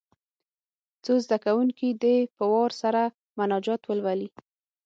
څو زده کوونکي دې په وار سره مناجات ولولي.